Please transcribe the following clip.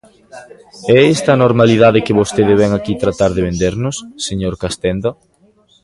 ¿É esta a normalidade que vostede vén aquí tratar de vendernos, señor Castenda?